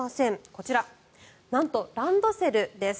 こちら、なんとランドセルです。